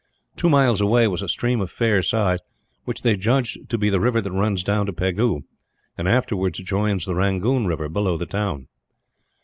Two miles away was a stream of fair size, which they judged to be the river that runs down to Pegu, and afterwards joins the Rangoon river below the town.